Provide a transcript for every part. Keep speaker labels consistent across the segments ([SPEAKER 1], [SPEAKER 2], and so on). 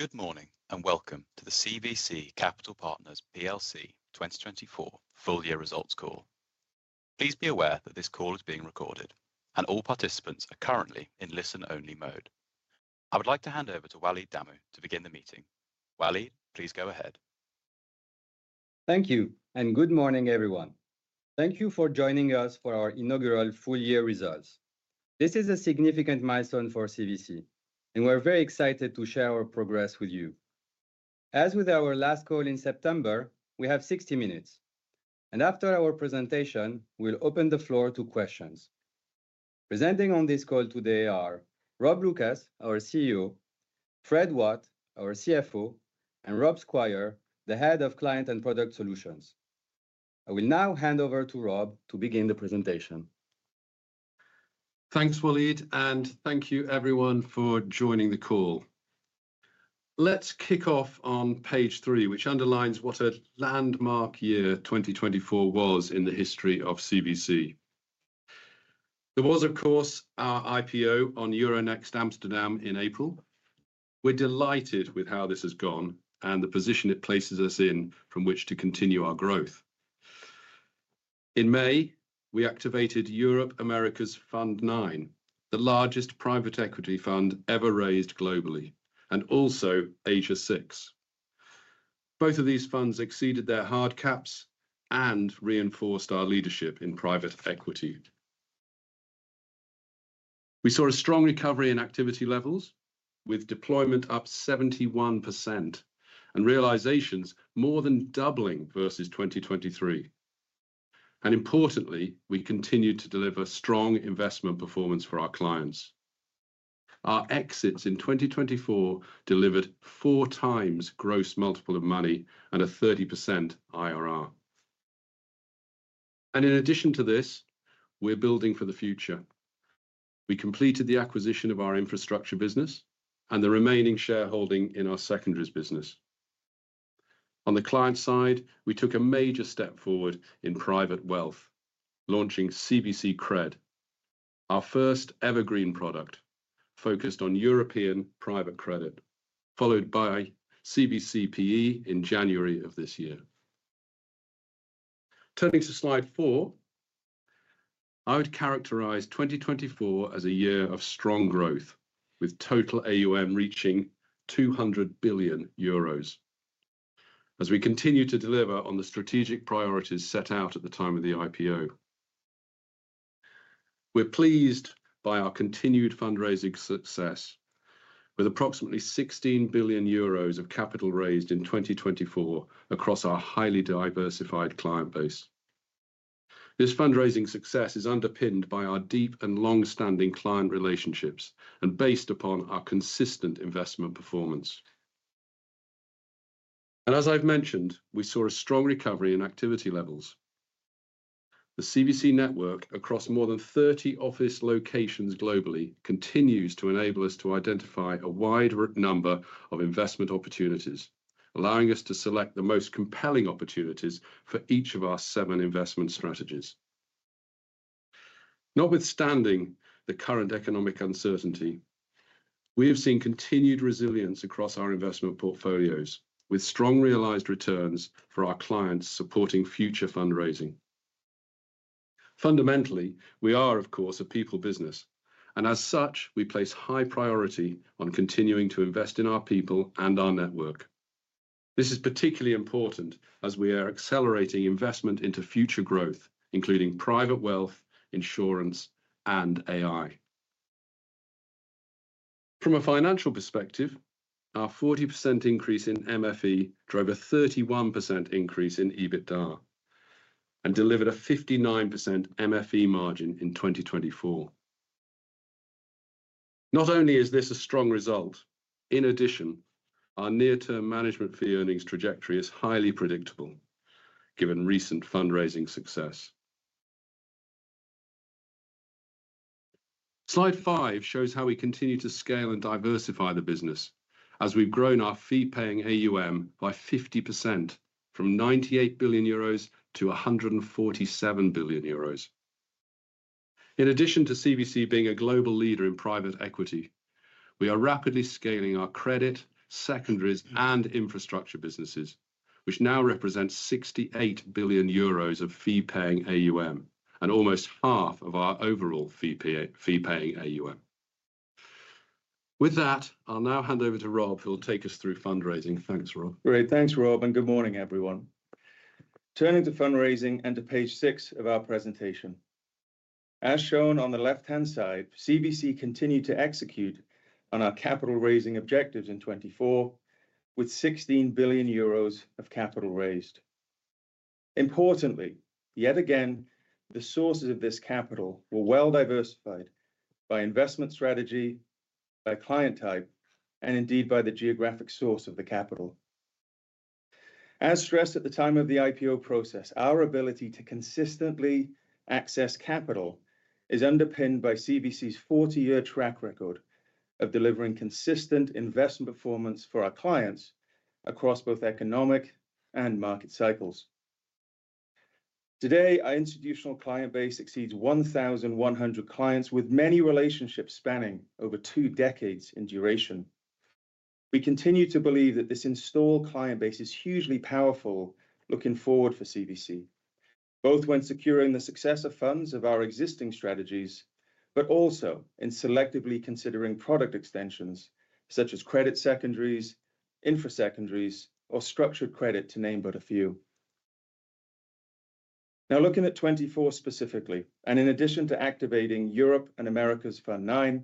[SPEAKER 1] Good morning and welcome to the CVC Capital Partners 2024 full-year results call. Please be aware that this call is being recorded, and all participants are currently in listen-only mode. I would like to hand over to Walid Damou to begin the meeting. Walid, please go ahead.
[SPEAKER 2] Thank you, and good morning, everyone. Thank you for joining us for our inaugural full-year results. This is a significant milestone for CVC, and we're very excited to share our progress with you. As with our last call in September, we have 60 minutes, and after our presentation, we'll open the floor to questions. Presenting on this call today are Rob Lucas, our CEO, Fred Watt, our CFO, and Rob Squire, the Head of Client and Product Solutions. I will now hand over to Rob to begin the presentation.
[SPEAKER 3] Thanks, Walid, and thank you, everyone, for joining the call. Let's kick off on page three, which underlines what a landmark year 2024 was in the history of CVC. There was, of course, our IPO on Euronext Amsterdam in April. We're delighted with how this has gone and the position it places us in from which to continue our growth. In May, we activated Europe Americas Fund 9, the largest private equity fund ever raised globally, and also Asia Fund 6. Both of these funds exceeded their hard caps and reinforced our leadership in private equity. We saw a strong recovery in activity levels, with deployment up 71% and realizations more than doubling versus 2023. Importantly, we continued to deliver strong investment performance for our clients. Our exits in 2024 delivered 4x gross multiple of money and a 30% IRR. In addition to this, we're building for the future. We completed the acquisition of our infrastructure business and the remaining shareholding in our secondary business. On the client side, we took a major step forward in private wealth, launching CVC Cred, our first evergreen product focused on European private credit, followed by CVC PE in January of this year. Turning to slide four, I would characterize 2024 as a year of strong growth, with total AUM reaching 200 billion euros as we continue to deliver on the strategic priorities set out at the time of the IPO. We're pleased by our continued fundraising success, with approximately 16 billion euros of capital raised in 2024 across our highly diversified client base. This fundraising success is underpinned by our deep and long-standing client relationships and based upon our consistent investment performance. As I've mentioned, we saw a strong recovery in activity levels. The CVC network across more than 30 office locations globally continues to enable us to identify a wide number of investment opportunities, allowing us to select the most compelling opportunities for each of our seven investment strategies. Notwithstanding the current economic uncertainty, we have seen continued resilience across our investment portfolios, with strong realized returns for our clients supporting future fundraising. Fundamentally, we are, of course, a people business, and as such, we place high priority on continuing to invest in our people and our network. This is particularly important as we are accelerating investment into future growth, including private wealth, insurance, and AI. From a financial perspective, our 40% increase in MFE drove a 31% increase in EBITDA and delivered a 59% MFE margin in 2024. Not only is this a strong result, in addition, our near-term management fee earnings trajectory is highly predictable, given recent fundraising success. Slide five shows how we continue to scale and diversify the business as we've grown our fee-paying AUM by 50% from 98 billion euros to 147 billion euros. In addition to CVC being a global leader in private equity, we are rapidly scaling our credit, secondaries, and infrastructure businesses, which now represents 68 billion euros of fee-paying AUM and almost half of our overall fee-paying AUM. With that, I'll now hand over to Rob, who'll take us through fundraising. Thanks, Rob.
[SPEAKER 4] Great. Thanks, Rob, and good morning, everyone. Turning to fundraising and to page six of our presentation. As shown on the left-hand side, CVC continued to execute on our capital-raising objectives in 2024, with 16 billion euros of capital raised. Importantly, yet again, the sources of this capital were well-diversified by investment strategy, by client type, and indeed by the geographic source of the capital. As stressed at the time of the IPO process, our ability to consistently access capital is underpinned by CVC's 40-year track record of delivering consistent investment performance for our clients across both economic and market cycles. Today, our institutional client base exceeds 1,100 clients, with many relationships spanning over two decades in duration. We continue to believe that this installed client base is hugely powerful looking forward for CVC, both when securing the successor funds of our existing strategies but also in selectively considering product extensions such as credit secondaries, infra secondaries, or structured credit, to name but a few. Now, looking at 2024 specifically, and in addition to activating Europe and Americas Fund 9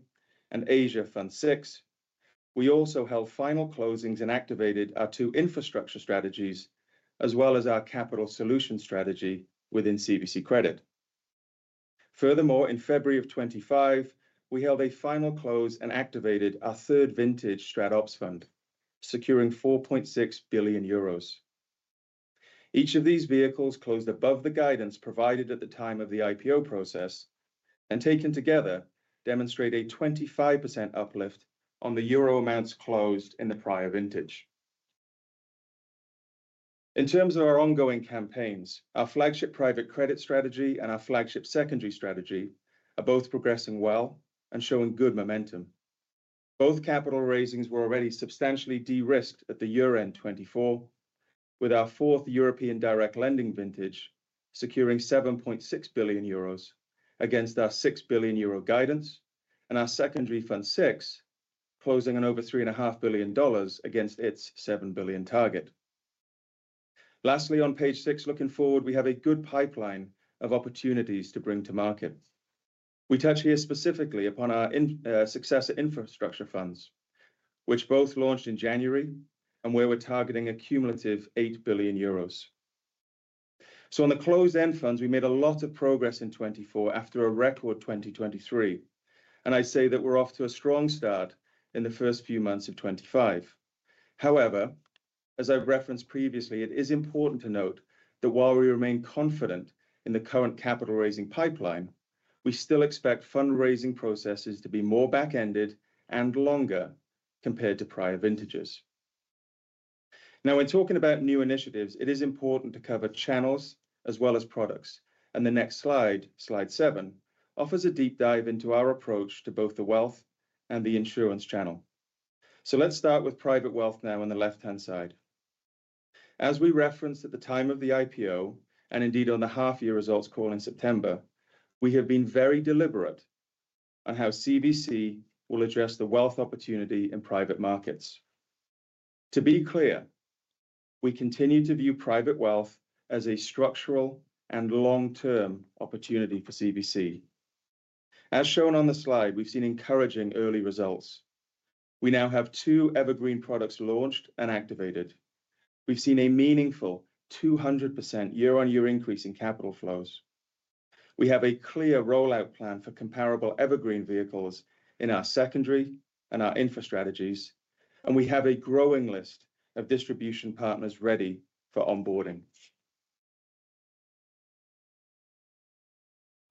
[SPEAKER 4] and Asia Fund 6, we also held final closings and activated our two infrastructure strategies as well as our capital solution strategy within CVC Credit. Furthermore, in February of 2025, we held a final close and activated our third vintage StratOps fund, securing 4.6 billion euros. Each of these vehicles closed above the guidance provided at the time of the IPO process and taken together demonstrate a 25% uplift on the euro amounts closed in the prior vintage. In terms of our ongoing campaigns, our flagship private credit strategy and our flagship secondary strategy are both progressing well and showing good momentum. Both capital raisings were already substantially de-risked at the year-end 2024, with our fourth European direct lending vintage securing 7.6 billion euros against our 6 billion euro guidance and our Secondary Fund 6 closing on over $3.5 billion against its 7 billion target. Lastly, on page six, looking forward, we have a good pipeline of opportunities to bring to market. We touch here specifically upon our successor infrastructure funds, which both launched in January and where we are targeting a cumulative 8 billion euros. On the closed-end funds, we made a lot of progress in 2024 after a record 2023, and I say that we are off to a strong start in the first few months of 2025. However, as I've referenced previously, it is important to note that while we remain confident in the current capital-raising pipeline, we still expect fundraising processes to be more back-ended and longer compared to prior vintages. Now, when talking about new initiatives, it is important to cover channels as well as products, and the next slide, slide seven, offers a deep dive into our approach to both the wealth and the insurance channel. Let's start with private wealth now on the left-hand side. As we referenced at the time of the IPO and indeed on the half-year results call in September, we have been very deliberate on how CVC will address the wealth opportunity in private markets. To be clear, we continue to view private wealth as a structural and long-term opportunity for CVC. As shown on the slide, we've seen encouraging early results. We now have two evergreen products launched and activated. We've seen a meaningful 200% year-on-year increase in capital flows. We have a clear rollout plan for comparable evergreen vehicles in our secondary and our infrastrategies, and we have a growing list of distribution partners ready for onboarding.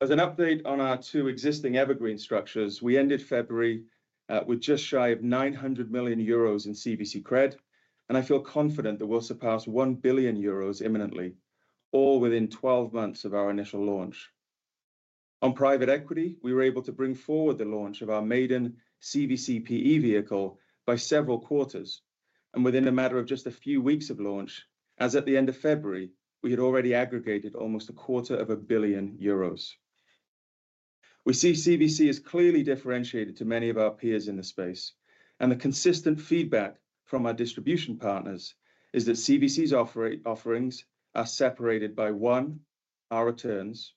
[SPEAKER 4] As an update on our two existing evergreen structures, we ended February with just shy of 900 million euros in CVC Cred, and I feel confident that we'll surpass 1 billion euros imminently, all within 12 months of our initial launch. On private equity, we were able to bring forward the launch of our maiden CVC PE vehicle by several quarters, and within a matter of just a few weeks of launch, as at the end of February, we had already aggregated almost a quarter of a billion euros. We see CVC is clearly differentiated to many of our peers in the space, and the consistent feedback from our distribution partners is that CVC's offerings are separated by one, our returns;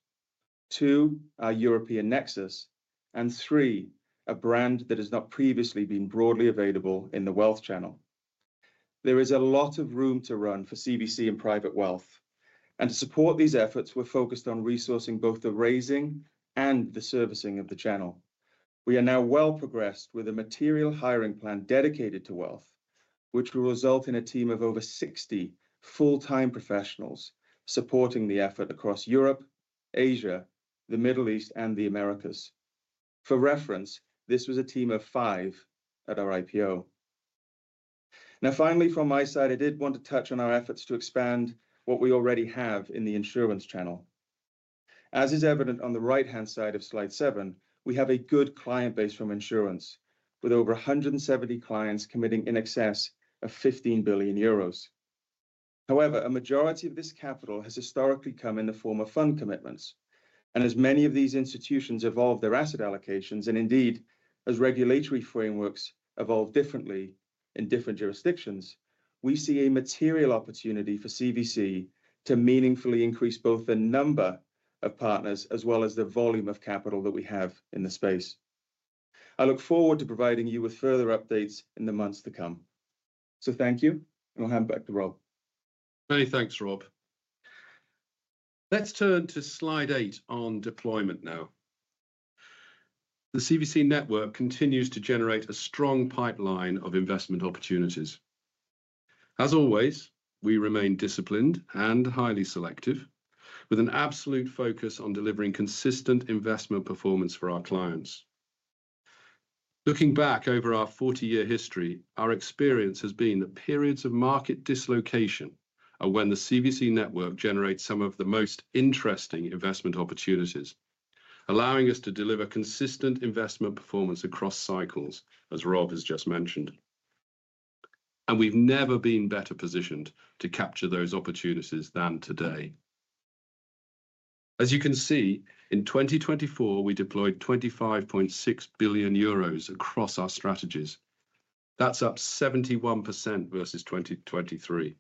[SPEAKER 4] two, our European nexus; and three, a brand that has not previously been broadly available in the wealth channel. There is a lot of room to run for CVC in private wealth, and to support these efforts, we're focused on resourcing both the raising and the servicing of the channel. We are now well-progressed with a material hiring plan dedicated to wealth, which will result in a team of over 60 full-time professionals supporting the effort across Europe, Asia, the Middle East, and the Americas. For reference, this was a team of five at our IPO. Now, finally, from my side, I did want to touch on our efforts to expand what we already have in the insurance channel. As is evident on the right-hand side of slide seven, we have a good client base from insurance, with over 170 clients committing in excess of 15 billion euros. However, a majority of this capital has historically come in the form of fund commitments, and as many of these institutions evolve their asset allocations and indeed as regulatory frameworks evolve differently in different jurisdictions, we see a material opportunity for CVC to meaningfully increase both the number of partners as well as the volume of capital that we have in the space. I look forward to providing you with further updates in the months to come. Thank you, and we'll hand back to Rob.
[SPEAKER 3] Many thanks, Rob. Let's turn to slide eight on deployment now. The CVC network continues to generate a strong pipeline of investment opportunities. As always, we remain disciplined and highly selective, with an absolute focus on delivering consistent investment performance for our clients. Looking back over our 40-year history, our experience has been that periods of market dislocation are when the CVC network generates some of the most interesting investment opportunities, allowing us to deliver consistent investment performance across cycles, as Rob has just mentioned. We have never been better positioned to capture those opportunities than today. As you can see, in 2024, we deployed 25.6 billion euros across our strategies. That's up 71% versus 2023.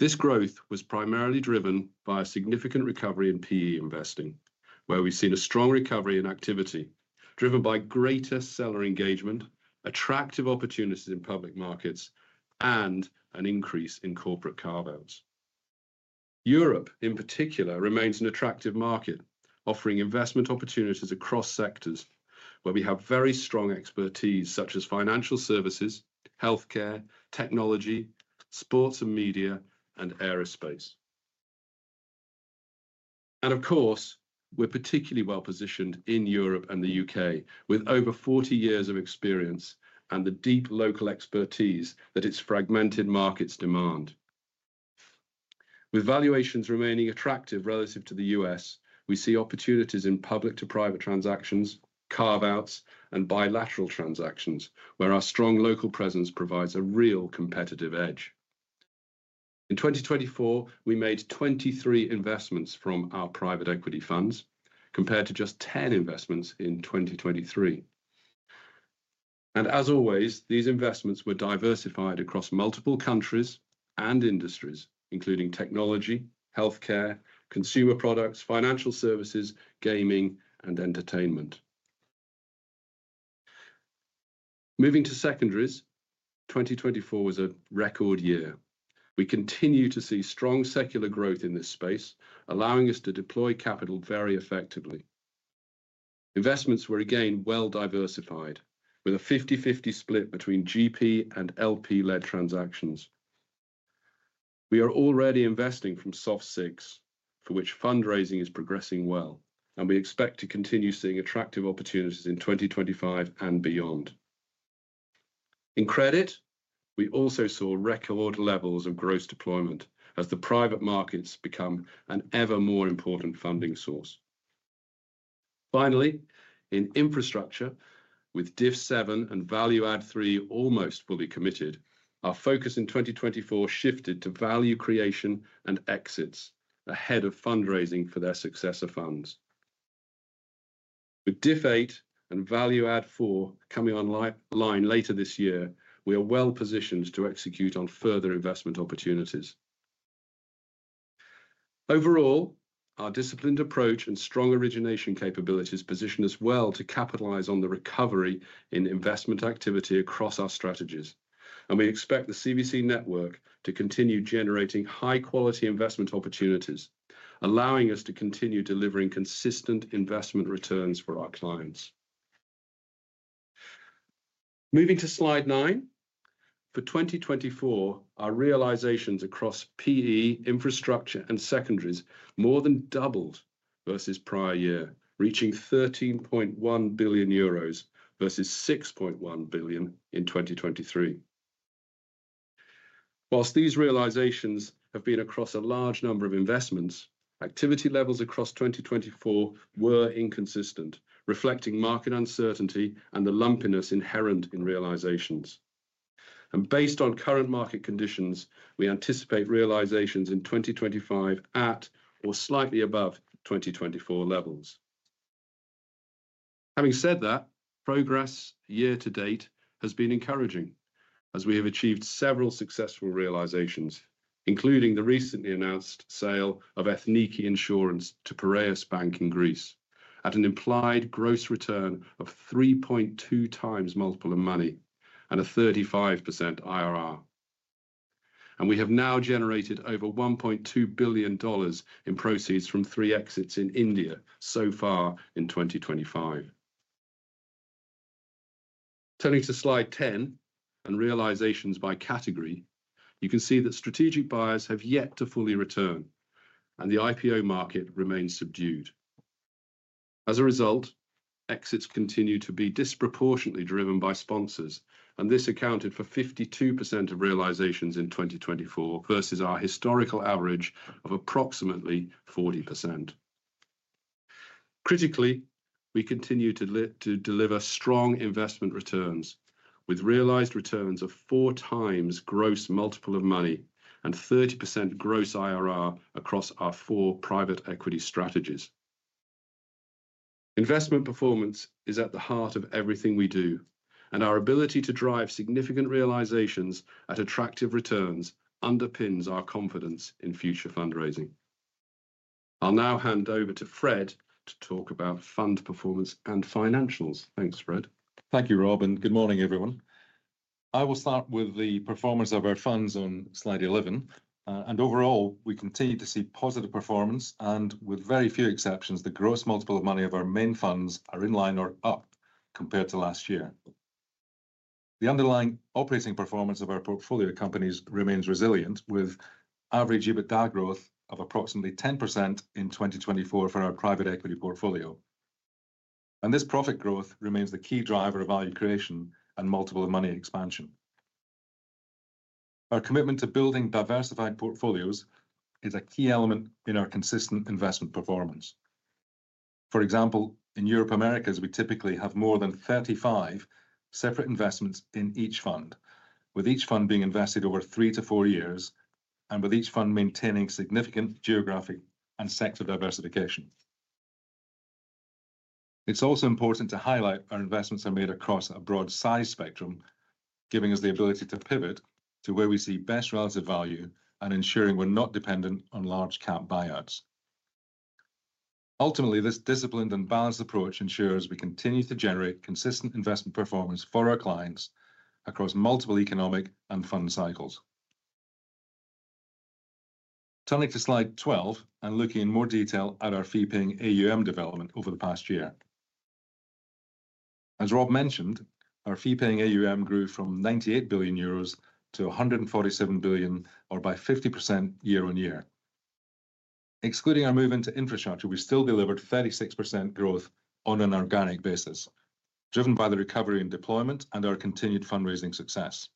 [SPEAKER 3] This growth was primarily driven by a significant recovery in PE investing, where we've seen a strong recovery in activity driven by greater seller engagement, attractive opportunities in public markets, and an increase in corporate carve-outs. Europe, in particular, remains an attractive market, offering investment opportunities across sectors where we have very strong expertise, such as financial services, healthcare, technology, sports and media, and aerospace. Of course, we're particularly well-positioned in Europe and the U.K., with over 40 years of experience and the deep local expertise that its fragmented markets demand. With valuations remaining attractive relative to the U.S., we see opportunities in public-to-private transactions, carve-outs, and bilateral transactions, where our strong local presence provides a real competitive edge. In 2024, we made 23 investments from our private equity funds, compared to just 10 investments in 2023. As always, these investments were diversified across multiple countries and industries, including technology, healthcare, consumer products, financial services, gaming, and entertainment. Moving to secondaries, 2024 was a record year. We continue to see strong secular growth in this space, allowing us to deploy capital very effectively. Investments were again well-diversified, with a 50/50 split between GP and LP-led transactions. We are already investing from Secondary Fund 6, for which fundraising is progressing well, and we expect to continue seeing attractive opportunities in 2025 and beyond. In credit, we also saw record levels of gross deployment as the private markets become an ever more important funding source. Finally, in infrastructure, with DIF7 and Value Add 3 almost fully committed, our focus in 2024 shifted to value creation and exits ahead of fundraising for their successor funds. With DIF8 and Value Add 4 coming online later this year, we are well-positioned to execute on further investment opportunities. Overall, our disciplined approach and strong origination capabilities position us well to capitalize on the recovery in investment activity across our strategies, and we expect the CVC network to continue generating high-quality investment opportunities, allowing us to continue delivering consistent investment returns for our clients. Moving to slide nine, for 2024, our realizations across PE, infrastructure, and secondaries more than doubled versus prior year, reaching 13.1 billion euros versus 6.1 billion in 2023. Whilst these realizations have been across a large number of investments, activity levels across 2024 were inconsistent, reflecting market uncertainty and the lumpiness inherent in realizations. Based on current market conditions, we anticipate realizations in 2025 at or slightly above 2024 levels. Having said that, progress year-to-date has been encouraging, as we have achieved several successful realizations, including the recently announced sale of Ethniki Insurance to Piraeus Bank in Greece, at an implied gross return of 3.2 times multiple of money and a 35% IRR. We have now generated over $1.2 billion in proceeds from three exits in India so far in 2025. Turning to slide ten and realizations by category, you can see that strategic buyers have yet to fully return, and the IPO market remains subdued. As a result, exits continue to be disproportionately driven by sponsors, and this accounted for 52% of realizations in 2024 versus our historical average of approximately 40%. Critically, we continue to deliver strong investment returns, with realized returns of four times gross multiple of money and 30% gross IRR across our four private equity strategies. Investment performance is at the heart of everything we do, and our ability to drive significant realizations at attractive returns underpins our confidence in future fundraising. I'll now hand over to Fred to talk about fund performance and financials. Thanks, Fred.
[SPEAKER 5] Thank you, Rob, and good morning, everyone. I will start with the performance of our funds on slide 11, and overall, we continue to see positive performance, and with very few exceptions, the gross multiple of money of our main funds are in line or up compared to last year. The underlying operating performance of our portfolio companies remains resilient, with average EBITDA growth of approximately 10% in 2024 for our private equity portfolio, and this profit growth remains the key driver of value creation and multiple of money expansion. Our commitment to building diversified portfolios is a key element in our consistent investment performance. For example, in Europe and America, we typically have more than 35 separate investments in each fund, with each fund being invested over three to four years, and with each fund maintaining significant geographic and sector diversification. It's also important to highlight our investments are made across a broad size spectrum, giving us the ability to pivot to where we see best relative value and ensuring we're not dependent on large cap buyouts. Ultimately, this disciplined and balanced approach ensures we continue to generate consistent investment performance for our clients across multiple economic and fund cycles. Turning to slide 12 and looking in more detail at our fee-paying AUM development over the past year. As Rob mentioned, our fee-paying AUM grew from 98 billion euros to 147 billion, or by 50% year-on-year. Excluding our move into infrastructure, we still delivered 36% growth on an organic basis, driven by the recovery in deployment and our continued fundraising success.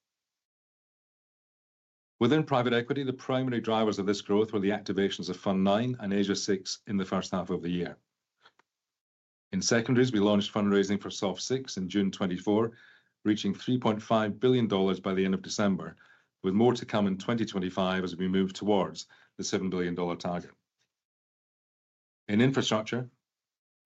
[SPEAKER 5] Within private equity, the primary drivers of this growth were the activations of fund nine and Asia Fund 6 in the first half of the year. In secondaries, we launched fundraising for Secondary Fund 6 in June 2024, reaching $3.5 billion by the end of December, with more to come in 2025 as we move towards the $7 billion target. In infrastructure,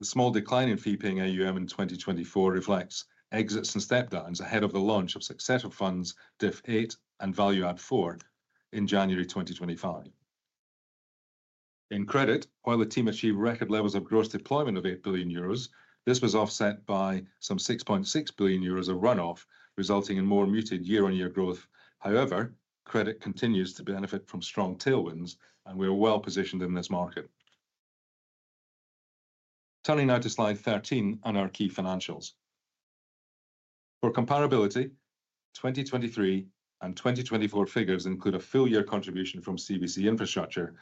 [SPEAKER 5] the small decline in fee-paying AUM in 2024 reflects exits and step-downs ahead of the launch of successor funds DIF8 and Value Add 4 in January 2025. In credit, while the team achieved record levels of gross deployment of 8 billion euros, this was offset by some 6.6 billion euros of runoff, resulting in more muted year-on-year growth. However, credit continues to benefit from strong tailwinds, and we are well-positioned in this market. Turning now to slide 13 and our key financials. For comparability, 2023 and 2024 figures include a full-year contribution from CVC Infrastructure,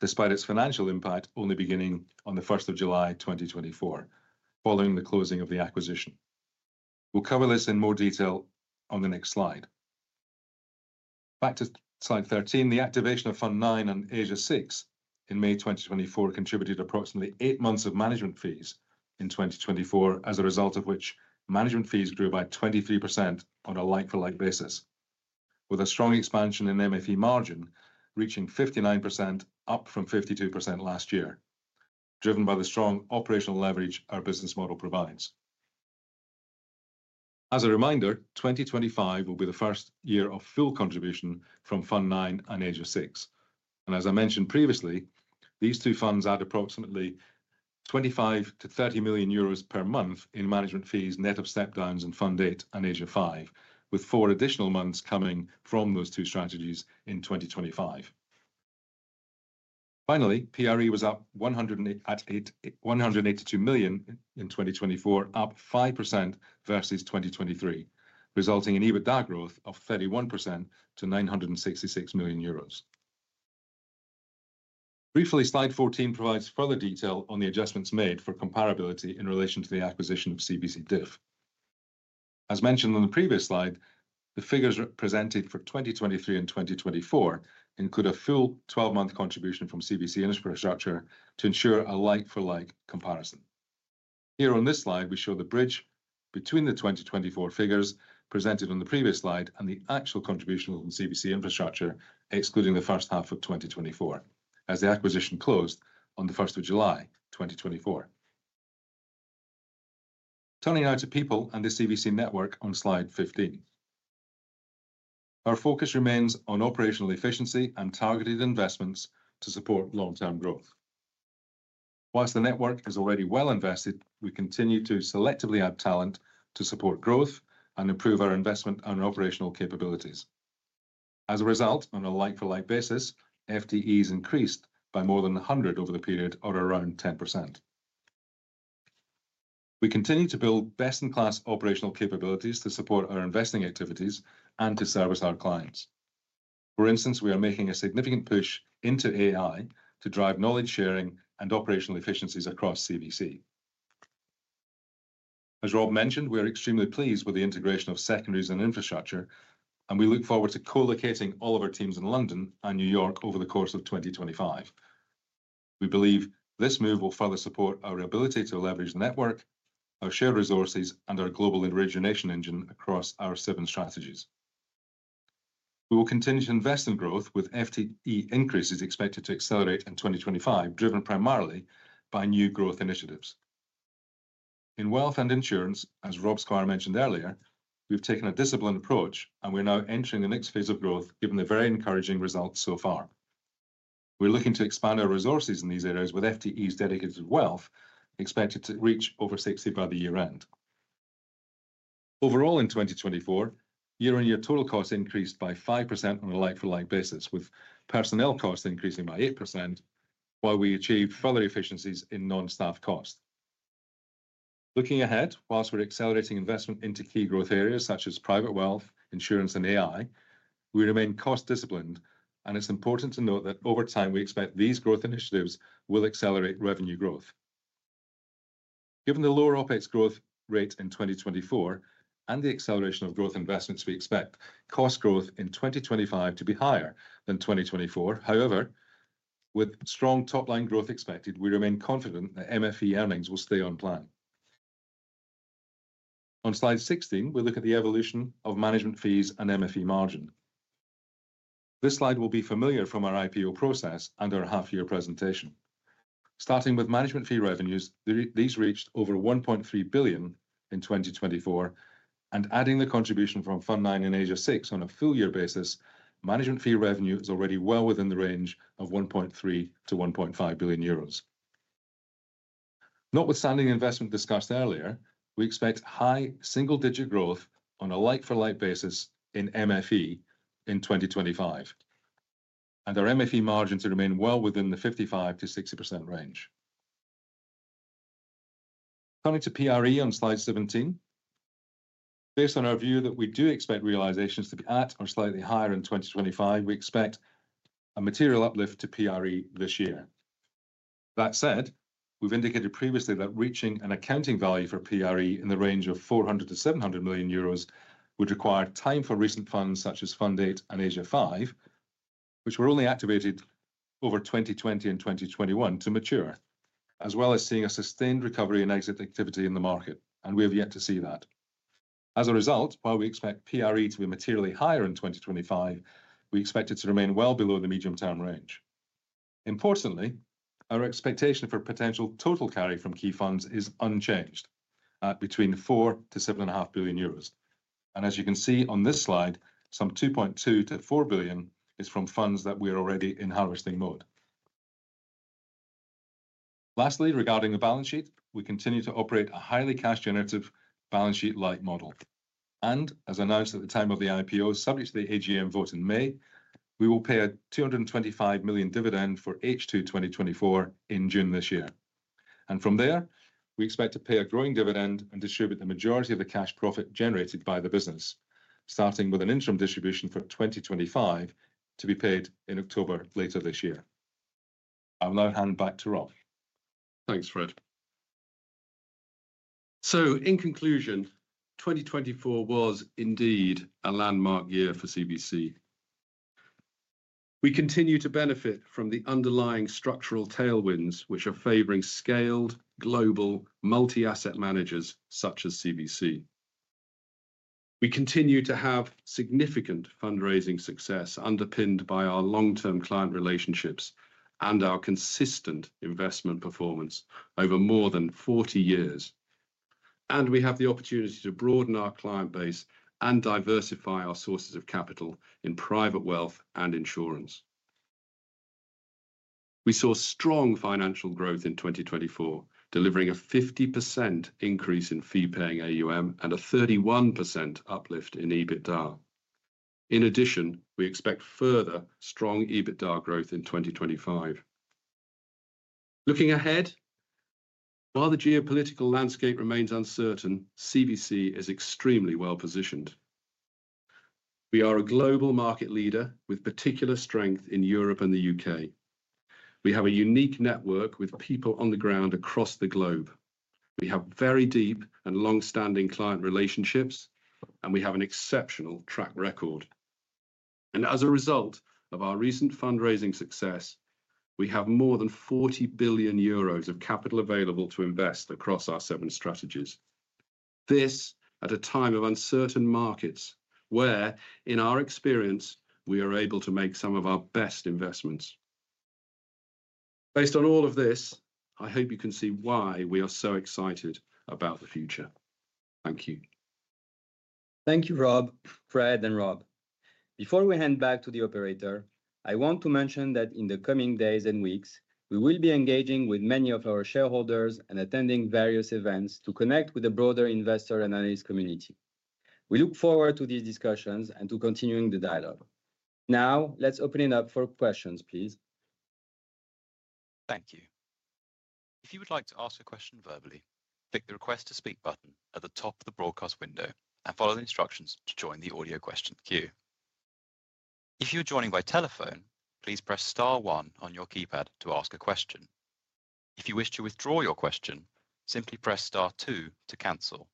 [SPEAKER 5] despite its financial impact only beginning on the 1st of July 2024, following the closing of the acquisition. We'll cover this in more detail on the next slide. Back to slide 13, the activation of fund nine and Asia six in May 2024 contributed approximately eight months of management fees in 2024, as a result of which management fees grew by 23% on a like-for-like basis, with a strong expansion in MFE margin reaching 59%, up from 52% last year, driven by the strong operational leverage our business model provides. As a reminder, 2025 will be the first year of full contribution from fund nine and Asia six. As I mentioned previously, these two funds add approximately 25 million-30 million euros per month in management fees, net of step-downs in fund eight and Asia five, with four additional months coming from those two strategies in 2025. Finally, PRE was up at 182 million in 2024, up 5% versus 2023, resulting in EBITDA growth of 31% to 966 million euros. Briefly, slide 14 provides further detail on the adjustments made for comparability in relation to the acquisition of CVC DIF. As mentioned on the previous slide, the figures presented for 2023 and 2024 include a full 12-month contribution from CVC Infrastructure to ensure a like-for-like comparison. Here on this slide, we show the bridge between the 2024 figures presented on the previous slide and the actual contribution from CVC Infrastructure, excluding the first half of 2024, as the acquisition closed on the 1st of July 2024. Turning now to people and the CVC network on slide 15. Our focus remains on operational efficiency and targeted investments to support long-term growth. Whilst the network is already well invested, we continue to selectively add talent to support growth and improve our investment and operational capabilities. As a result, on a like-for-like basis, FTEs increased by more than 100 over the period of around 10%. We continue to build best-in-class operational capabilities to support our investing activities and to service our clients. For instance, we are making a significant push into AI to drive knowledge sharing and operational efficiencies across CVC. As Rob mentioned, we are extremely pleased with the integration of secondaries and infrastructure, and we look forward to co-locating all of our teams in London and New York over the course of 2025. We believe this move will further support our ability to leverage the network, our shared resources, and our global origination engine across our seven strategies. We will continue to invest in growth, with FTE increases expected to accelerate in 2025, driven primarily by new growth initiatives. In wealth and insurance, as Rob Squire mentioned earlier, we've taken a disciplined approach, and we're now entering the next phase of growth, given the very encouraging results so far. We're looking to expand our resources in these areas with FTEs dedicated to wealth, expected to reach over 60 by the year-end. Overall, in 2024, year-on-year total costs increased by 5% on a like-for-like basis, with personnel costs increasing by 8%, while we achieved further efficiencies in non-staff costs. Looking ahead, whilst we're accelerating investment into key growth areas such as private wealth, insurance, and AI, we remain cost-disciplined, and it's important to note that over time, we expect these growth initiatives will accelerate revenue growth. Given the lower OpEx growth rate in 2024 and the acceleration of growth investments, we expect cost growth in 2025 to be higher than 2024. However, with strong top-line growth expected, we remain confident that MFE earnings will stay on plan. On slide 16, we'll look at the evolution of management fees and MFE margin. This slide will be familiar from our IPO process and our half-year presentation. Starting with management fee revenues, these reached over 1.3 billion in 2024, and adding the contribution from fund nine and Asia six on a full-year basis, management fee revenue is already well within the range of 1.3 billion-1.5 billion euros. Notwithstanding investment discussed earlier, we expect high single-digit growth on a like-for-like basis in MFE in 2025, and our MFE margin to remain well within the 55%-60% range. Turning to PRE on slide 17, based on our view that we do expect realizations to be at or slightly higher in 2025, we expect a material uplift to PRE this year. That said, we've indicated previously that reaching an accounting value for PRE in the range of 400 million-700 million euros would require time for recent funds such as fund eight and Asia five, which were only activated over 2020 and 2021 to mature, as well as seeing a sustained recovery in exit activity in the market, and we have yet to see that. As a result, while we expect PRE to be materially higher in 2025, we expect it to remain well below the medium-term range. Importantly, our expectation for potential total carry from key funds is unchanged at between 4 billion-7.5 billion euros. As you can see on this slide, some 2.2 billion-4 billion is from funds that we are already in harvesting mode. Lastly, regarding the balance sheet, we continue to operate a highly cash-generative balance sheet-like model. As announced at the time of the IPO, subject to the AGM vote in May, we will pay a 225 million dividend for H2 2024 in June this year. From there, we expect to pay a growing dividend and distribute the majority of the cash profit generated by the business, starting with an interim distribution for 2025 to be paid in October later this year. I'll now hand back to Rob.
[SPEAKER 3] Thanks, Fred. In conclusion, 2024 was indeed a landmark year for CVC. We continue to benefit from the underlying structural tailwinds, which are favoring scaled global multi-asset managers such as CVC. We continue to have significant fundraising success underpinned by our long-term client relationships and our consistent investment performance over more than 40 years. We have the opportunity to broaden our client base and diversify our sources of capital in private wealth and insurance. We saw strong financial growth in 2024, delivering a 50% increase in fee-paying AUM and a 31% uplift in EBITDA. In addition, we expect further strong EBITDA growth in 2025. Looking ahead, while the geopolitical landscape remains uncertain, CVC is extremely well-positioned. We are a global market leader with particular strength in Europe and the U.K. We have a unique network with people on the ground across the globe. We have very deep and long-standing client relationships, and we have an exceptional track record. As a result of our recent fundraising success, we have more than 40 billion euros of capital available to invest across our seven strategies. This is at a time of uncertain markets where, in our experience, we are able to make some of our best investments. Based on all of this, I hope you can see why we are so excited about the future. Thank you.
[SPEAKER 2] Thank you, Rob, Fred, and Rob. Before we hand back to the operator, I want to mention that in the coming days and weeks, we will be engaging with many of our shareholders and attending various events to connect with the broader investor and analyst community. We look forward to these discussions and to continuing the dialogue. Now, let's open it up for questions, please.
[SPEAKER 1] Thank you. If you would like to ask a question verbally, click the Request to Speak button at the top of the broadcast window and follow the instructions to join the audio question queue. If you're joining by telephone, please press * 1 on your keypad to ask a question. If you wish to withdraw your question, simply press * 2 to cancel.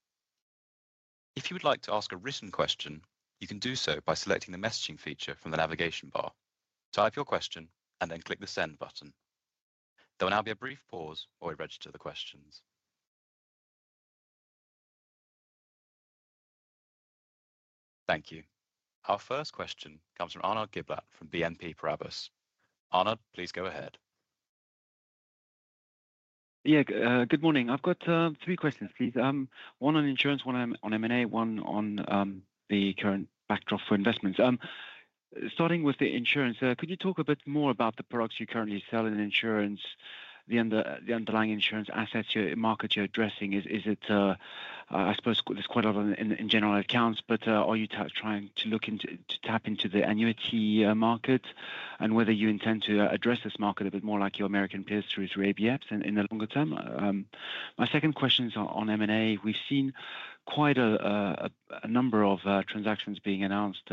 [SPEAKER 1] If you would like to ask a written question, you can do so by selecting the messaging feature from the navigation bar. Type your question and then click the Send button. There will now be a brief pause while we register the questions. Thank you. Our first question comes from Arnold Giblatt from BNP Paribas. Arnold, please go ahead.
[SPEAKER 6] Yeah, good morning. I've got three questions, please. One on insurance, one on M&A, one on the current backdrop for investments. Starting with the insurance, could you talk a bit more about the products you currently sell in insurance, the underlying insurance assets market you're addressing? Is it, I suppose, there's quite a lot in general accounts, but are you trying to tap into the annuity market and whether you intend to address this market a bit more like your American peers through ABS in the longer term? My second question is on M&A. We've seen quite a number of transactions being announced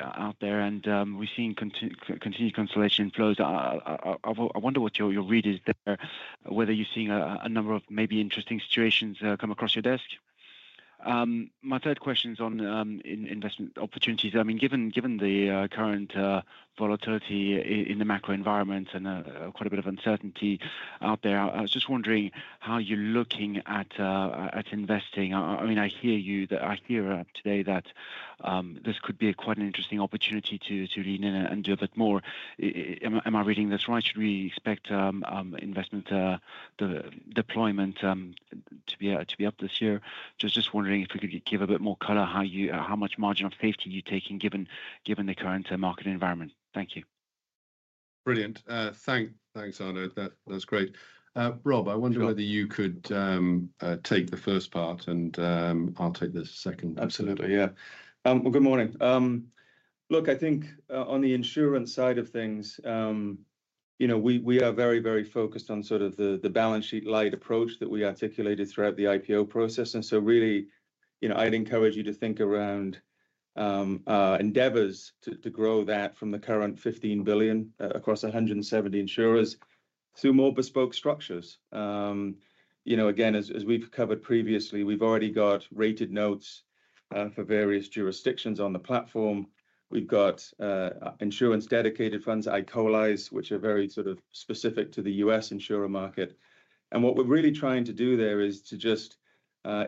[SPEAKER 6] out there, and we've seen continued consolidation flows. I wonder what your read is there, whether you're seeing a number of maybe interesting situations come across your desk. My third question is on investment opportunities. I mean, given the current volatility in the macro environment and quite a bit of uncertainty out there, I was just wondering how you're looking at investing. I mean, I hear you that I hear today that this could be quite an interesting opportunity to lean in and do a bit more. Am I reading this right? Should we expect investment deployment to be up this year? Just wondering if we could give a bit more color how much margin of safety you're taking given the current market environment. Thank you.
[SPEAKER 3] Brilliant. Thanks, Arnold. That's great. Rob, I wonder whether you could take the first part, and I'll take the second.
[SPEAKER 4] Absolutely. Yeah. Good morning. I think on the insurance side of things, you know we are very, very focused on sort of the balance sheet-like approach that we articulated throughout the IPO process. I really encourage you to think around endeavors to grow that from the current 15 billion across 170 insurers through more bespoke structures. You know, again, as we've covered previously, we've already got rated notes for various jurisdictions on the platform. We've got insurance dedicated funds, iColise, which are very sort of specific to the U.S. insurer market. What we're really trying to do there is to just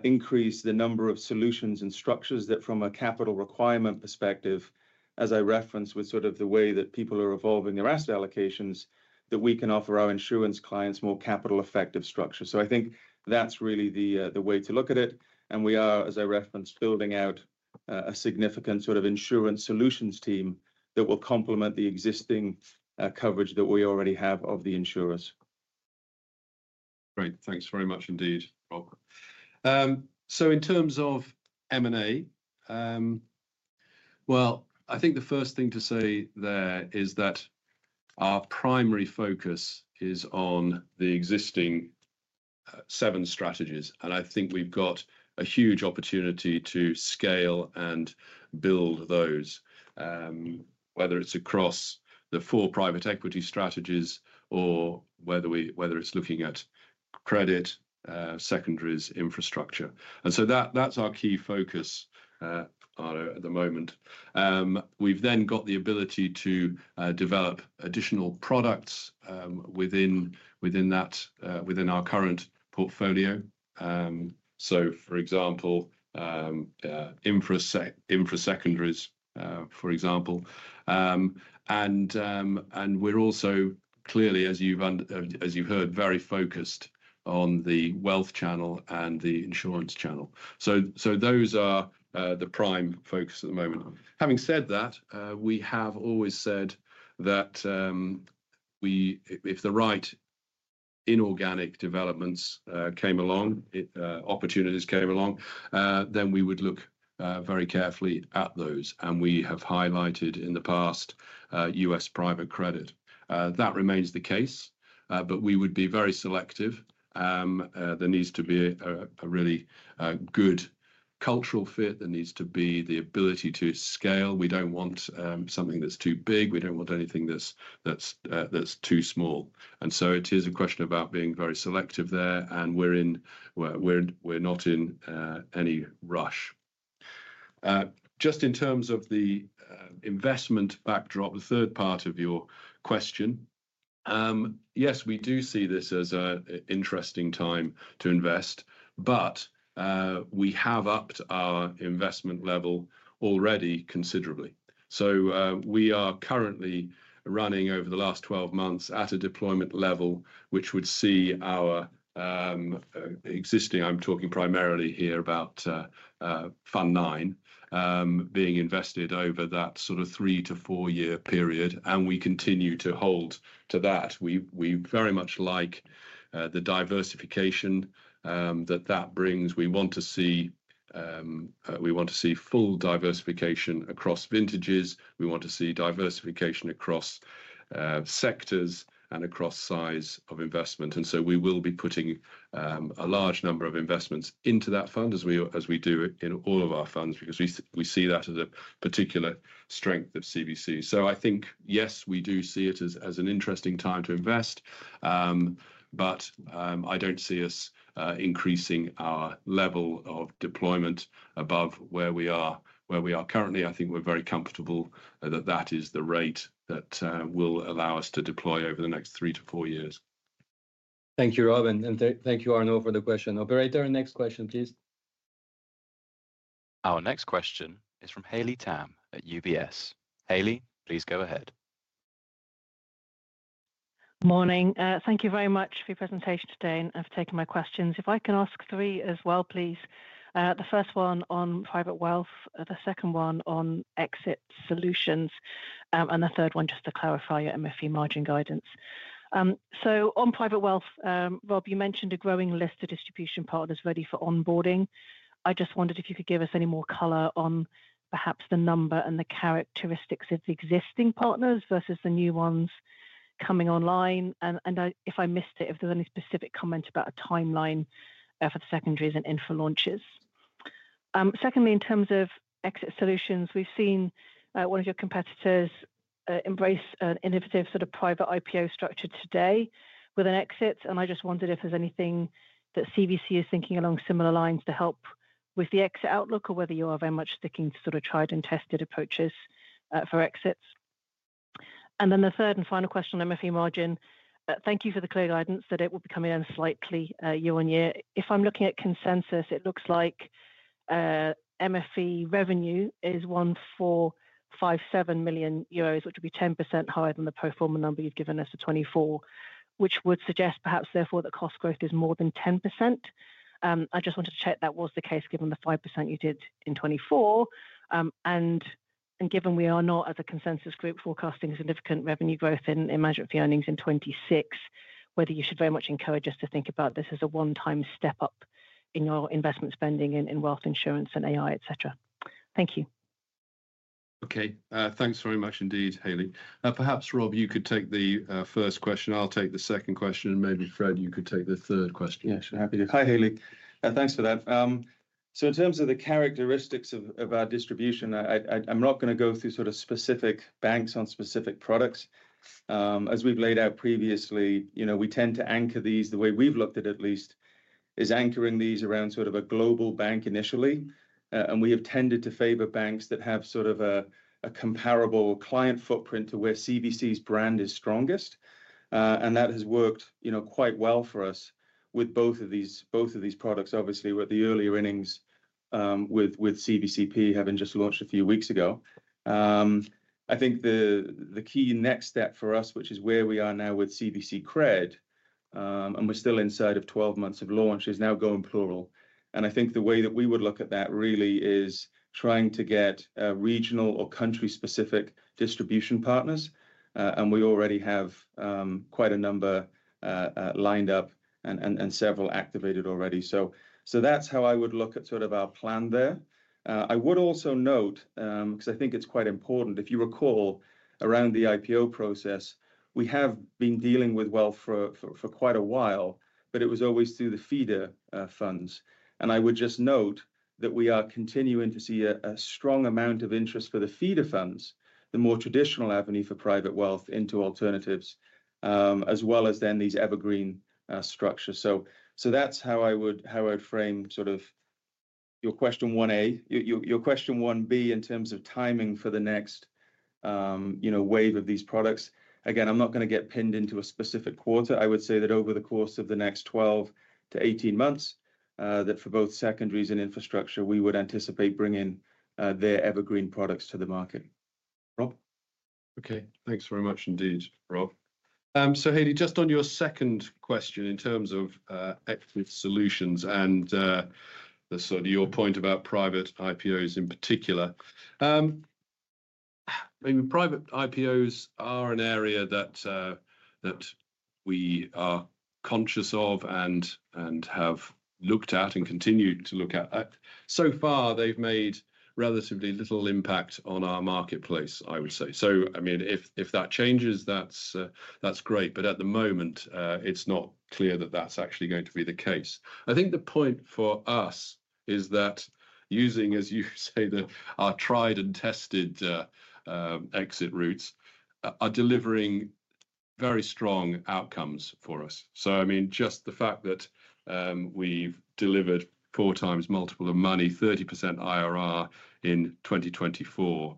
[SPEAKER 4] increase the number of solutions and structures that, from a capital requirement perspective, as I referenced with sort of the way that people are evolving their asset allocations, that we can offer our insurance clients more capital-effective structures. I think that's really the way to look at it. We are, as I referenced, building out a significant sort of insurance solutions team that will complement the existing coverage that we already have of the insurers.
[SPEAKER 3] Great. Thanks very much indeed, Rob. In terms of M&A, I think the first thing to say there is that our primary focus is on the existing seven strategies. I think we've got a huge opportunity to scale and build those, whether it's across the four private equity strategies or whether it's looking at credit, secondaries, infrastructure. That is our key focus at the moment. We've then got the ability to develop additional products within our current portfolio. For example, infrasecondaries, for example. We are also, clearly, as you've heard, very focused on the wealth channel and the insurance channel. Those are the prime focus at the moment. Having said that, we have always said that if the right inorganic developments came along, opportunities came along, we would look very carefully at those. We have highlighted in the past US private credit. That remains the case, but we would be very selective. There needs to be a really good cultural fit. There needs to be the ability to scale. We do not want something that is too big. We do not want anything that is too small. It is a question about being very selective there, and we are not in any rush. Just in terms of the investment backdrop, the third part of your question, yes, we do see this as an interesting time to invest, but we have upped our investment level already considerably. We are currently running over the last 12 months at a deployment level, which would see our existing, I am talking primarily here about fund nine, being invested over that sort of three to four-year period. We continue to hold to that. We very much like the diversification that that brings. We want to see full diversification across vintages. We want to see diversification across sectors and across size of investment. We will be putting a large number of investments into that fund as we do in all of our funds because we see that as a particular strength of CVC. I think, yes, we do see it as an interesting time to invest, but I do not see us increasing our level of deployment above where we are currently. I think we are very comfortable that that is the rate that will allow us to deploy over the next three to four years.
[SPEAKER 2] Thank you, Rob. Thank you, Arnold, for the question. Operator, next question, please.
[SPEAKER 1] Our next question is from Hayley Tam at UBS. Hayley, please go ahead.
[SPEAKER 6] Morning. Thank you very much for your presentation today and for taking my questions. If I can ask three as well, please. The first one on private wealth, the second one on exit solutions, and the third one, just to clarify, your MFE margin guidance. On private wealth, Rob, you mentioned a growing list of distribution partners ready for onboarding. I just wondered if you could give us any more color on perhaps the number and the characteristics of the existing partners versus the new ones coming online. If I missed it, if there is any specific comment about a timeline for the secondaries and infra launches. Secondly, in terms of exit solutions, we have seen one of your competitors embrace an innovative sort of private IPO structure today with an exit. I just wondered if there's anything that CVC is thinking along similar lines to help with the exit outlook or whether you are very much sticking to sort of tried and tested approaches for exits. The third and final question on MFE margin, thank you for the clear guidance that it will be coming in slightly year on year. If I'm looking at consensus, it looks like MFE revenue is 1,457 million euros, which would be 10% higher than the pro forma number you've given us for 2024, which would suggest perhaps therefore that cost growth is more than 10%. I just wanted to check that was the case given the 5% you did in 2024. Given we are not, as a consensus group, forecasting significant revenue growth in management earnings in 2026, whether you should very much encourage us to think about this as a one-time step up in your investment spending in wealth, insurance, and AI, etc. Thank you.
[SPEAKER 3] Okay. Thanks very much indeed, Hayley. Perhaps, Rob, you could take the first question. I'll take the second question. And maybe, Fred, you could take the third question.
[SPEAKER 5] Yes, happy to. Hi, Hayley. Thanks for that. In terms of the characteristics of our distribution, I'm not going to go through sort of specific banks on specific products. As we've laid out previously, we tend to anchor these, the way we've looked at it at least, is anchoring these around sort of a global bank initially. We have tended to favor banks that have sort of a comparable client footprint to where CVC's brand is strongest. That has worked quite well for us with both of these products. Obviously, with the earlier earnings with CVC PE having just launched a few weeks ago, I think the key next step for us, which is where we are now with CVC Cred, and we're still inside of 12 months of launch, is now going plural. I think the way that we would look at that really is trying to get regional or country-specific distribution partners. We already have quite a number lined up and several activated already. That is how I would look at sort of our plan there. I would also note, because I think it is quite important, if you recall, around the IPO process, we have been dealing with wealth for quite a while, but it was always through the feeder funds. I would just note that we are continuing to see a strong amount of interest for the feeder funds, the more traditional avenue for private wealth into alternatives, as well as then these evergreen structures. That is how I would frame sort of your question 1A. Your question 1B in terms of timing for the next wave of these products. Again, I'm not going to get pinned into a specific quarter. I would say that over the course of the next 12 to 18 months, that for both secondaries and infrastructure, we would anticipate bringing their evergreen products to the market. Rob?
[SPEAKER 3] Okay. Thanks very much indeed, Rob. Hayley, just on your second question in terms of exit solutions and sort of your point about private IPOs in particular, maybe private IPOs are an area that we are conscious of and have looked at and continue to look at. So far, they've made relatively little impact on our marketplace, I would say. I mean, if that changes, that's great. At the moment, it's not clear that that's actually going to be the case. I think the point for us is that using, as you say, our tried and tested exit routes are delivering very strong outcomes for us. I mean, just the fact that we've delivered four times multiple of money, 30% IRR in 2024.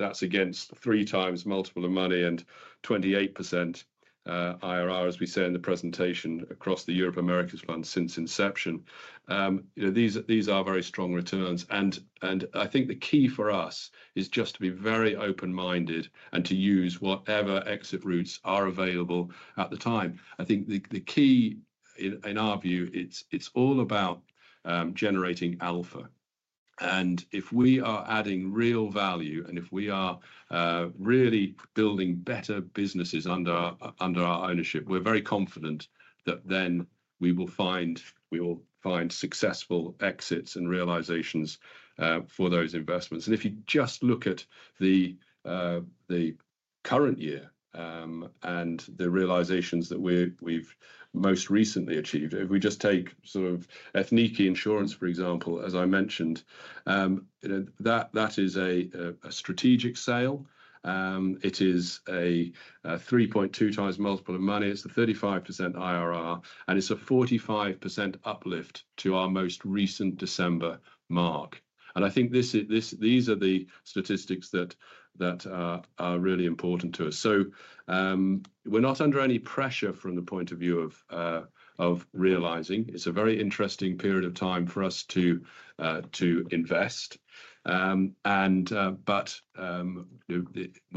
[SPEAKER 3] That is against three times multiple of money and 28% IRR, as we said in the presentation, across the Europe Americas fund since inception. These are very strong returns. I think the key for us is just to be very open-minded and to use whatever exit routes are available at the time. I think the key, in our view, it's all about generating alpha. If we are adding real value and if we are really building better businesses under our ownership, we're very confident that then we will find successful exits and realizations for those investments. If you just look at the current year and the realizations that we've most recently achieved, if we just take sort of Ethniki Insurance, for example, as I mentioned, that is a strategic sale. It is a 3.2 times multiple of money. It is a 35% IRR, and it is a 45% uplift to our most recent December mark. I think these are the statistics that are really important to us. We are not under any pressure from the point of view of realizing. It is a very interesting period of time for us to invest. We